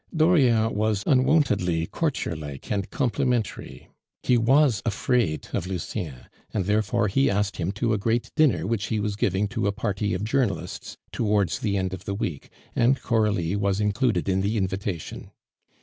Dauriat was unwontedly courtier like and complimentary. He was afraid of Lucien, and therefore he asked him to a great dinner which he was giving to a party of journalists towards the end of the week, and Coralie was included in the invitation.